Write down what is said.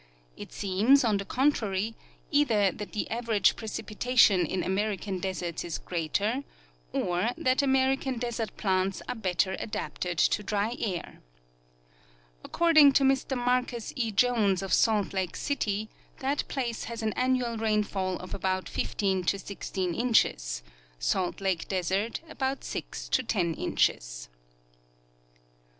It seems, on the contrary, either that the average precij)itation in American deserts is greater, or that American desert plants are better adapted to dry air. Accord ing to Mr Marcus E. Jones of Salt Lake city, that place has an annual rainfall of about 15 16 inches ; Salt Lake desert about 6 10 inches.